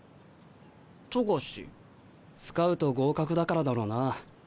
スカウト合格だからだろうな。